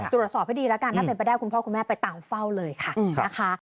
ตรวจสอบให้ดีแล้วกันถ้าเป็นไปได้คุณพ่อคุณแม่ไปตามเฝ้าเลยค่ะนะคะ